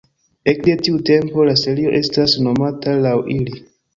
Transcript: Ekde tiu tempo la serio estas nomata laŭ ili.